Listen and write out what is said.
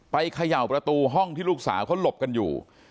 เขย่าประตูห้องที่ลูกสาวเขาหลบกันอยู่